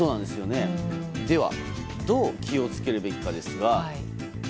ではどう気を付けるべきかですが。